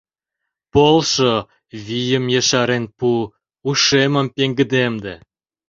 Полшо, вийым ешарен пу, ушемым пеҥгыдемде...